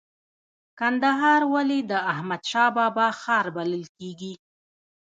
کندهار ولې د احمد شاه بابا ښار بلل کیږي؟